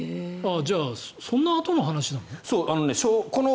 じゃあそんなあとの話なの？